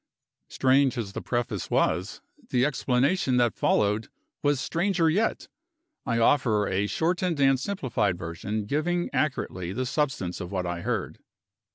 Strange as the preface was, the explanation that followed was stranger yet. I offer a shortened and simplified version, giving accurately the substance of what I heard.